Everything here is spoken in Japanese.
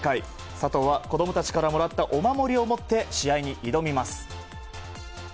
佐藤は子供たちからもらったお守りを持って試合に挑みます。